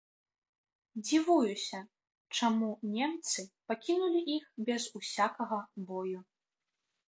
Дзівуюся, чаму немцы пакінулі іх без усякага бою.